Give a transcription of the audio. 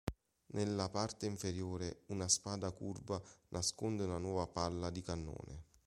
Nella parte inferiore, una spada curva nasconde una nuova palla di cannone.